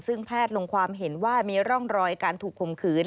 ซึ่งแพทย์ลงความเห็นว่ามีร่องรอยการถูกข่มขืน